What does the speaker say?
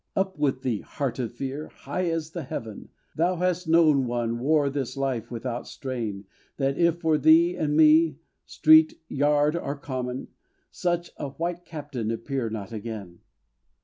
Up with thee, heart of fear, high as the heaven! Thou hast known one wore this life without stain. What if for thee and me, street, Yard, or Common, Such a white captain appear not again!